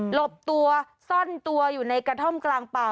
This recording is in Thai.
บตัวซ่อนตัวอยู่ในกระท่อมกลางป่า